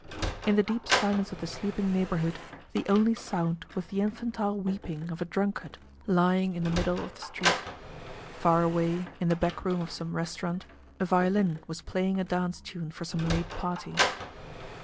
In the deep silence of the sleeping neighborhood the only sound was the infantile weeping of a drunkard lying in the middle of the street. Far away, in the back room of some restaurant, a violin was playing a dance tune for some late party.